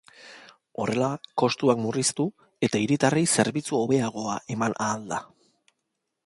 Horrela, kostuak murriztu eta hiritarrei zerbitzu hobeagoa eman ahal da.